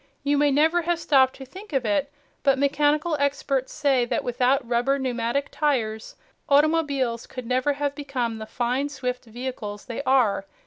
You may never have stopped to think of it, but mechanical experts say that without rubber pneumatic tires, automobiles could never have become the fine, swift vehicles they are.